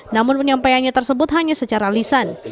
namun penyampaiannya tersebut hanya secara lisan